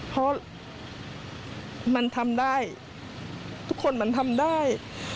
เพราะมันทำได้ทุกคนมันทำได้